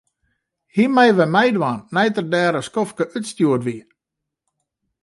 Hy mei wer meidwaan nei't er der in skoftke útstjoerd wie.